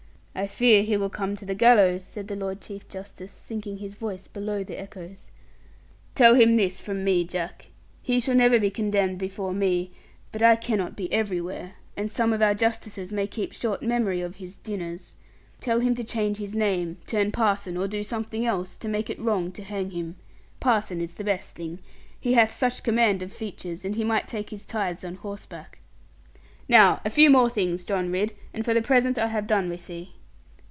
'I fear he will come to the gallows,' said the Lord Chief Justice, sinking his voice below the echoes; 'tell him this from me, Jack. He shall never be condemned before me; but I cannot be everywhere, and some of our Justices may keep short memory of his dinners. Tell him to change his name, turn parson, or do something else, to make it wrong to hang him. Parson is the best thing, he hath such command of features, and he might take his tithes on horseback. Now a few more things, John Ridd; and for the present I have done with thee.'